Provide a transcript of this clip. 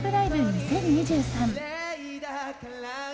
２０２３。